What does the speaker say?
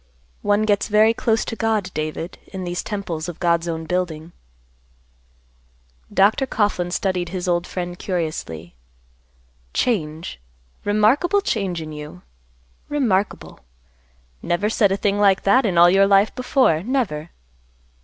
One gets very close to God, David, in these temples of God's own building." Dr. Coughlan studied his old friend curiously; "Change; remarkable change in you! Remarkable! Never said a thing like that in all your life before, never."